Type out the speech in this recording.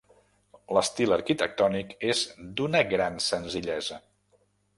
L'estil arquitectònic és d'una gran senzillesa.